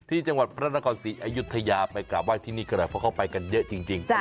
ที่จังหวัดพระราชนาคอนสิอายุทธยาไปกราบว่าที่นี่ก็ได้เพราะเข้าไปกันเยอะจริง